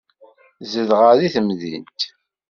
Zedɣeɣ deg temdint.